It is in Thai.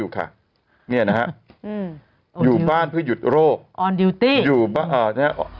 ค่ะเนี่ยนะฮะอืมอยู่บ้านเพื่อหยุดโรคออนดิวตี้อยู่บ้านอ่าเนี้ย